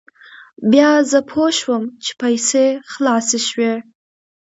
بیا زه پوه شوم چې پیسې خلاصې شوې.